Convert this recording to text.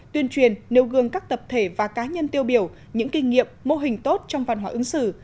tuyên truyền nêu gương các tập thể và cá nhân tiêu biểu những kinh nghiệm mô hình tốt trong văn hóa ứng xử